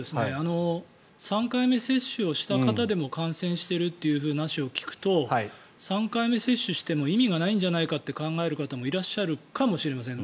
３回目接種をした方でも感染しているという話を聞くと３回目接種しても意味がないんじゃないかと考える方もいらっしゃるかもしれません。